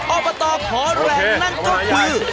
อบตขอแรงนั่นก็คือ